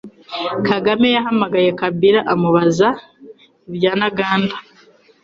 Kagame yahamagaye Kabila amubaza ibya Ntaganda